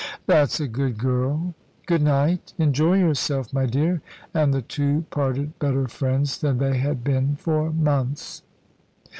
"That's a good girl. Goodnight. Enjoy yourself, my dear"; and the two parted better friends than they had been for months.